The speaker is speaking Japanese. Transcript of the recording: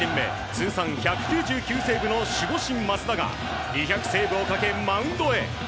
通算１９９セーブの守護神・益田が２００セーブをかけマウンドへ。